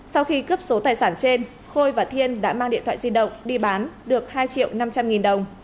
sau khi cướp số tài sản trên khôi và thiên đã mang điện thoại di động đi bán được hai triệu năm trăm linh nghìn đồng